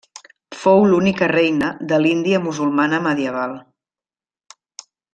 Fou l'única reina de l'Índia musulmana medieval.